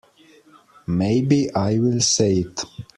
Maybe I will say it.